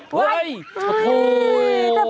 เฮ้ยโอ้โฮโอ้โฮโอ้โฮ